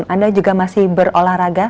anda juga masih berolahraga